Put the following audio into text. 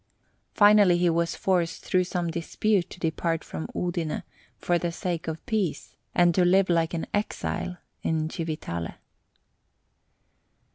Finally, he was forced through some dispute to depart from Udine, for the sake of peace, and to live like an exile in Civitale.